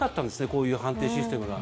こういう判定システムが。